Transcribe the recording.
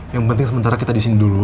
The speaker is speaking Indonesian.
yang penting sementara kita disini dulu